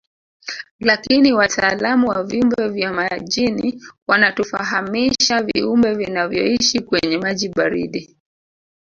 Lakini wataalamu wa viumbe vya majini wanatufahamisha viumbe vinavyoishi kwenye maji baridi